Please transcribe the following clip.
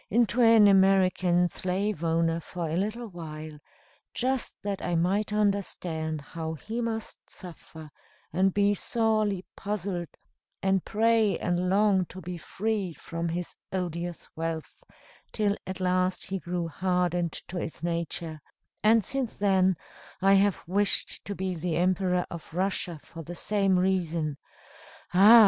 into an American slave owner for a little while, just that I might understand how he must suffer, and be sorely puzzled, and pray and long to be freed from his odious wealth, till at last he grew hardened to its nature; and since then, I have wished to be the Emperor of Russia, for the same reason. Ah!